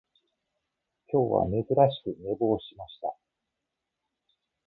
今日は珍しく寝坊しました